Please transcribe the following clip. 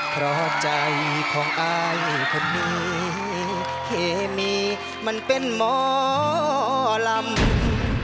เพราะใจของอายคนนี้เคมีมันเป็นหมอลำ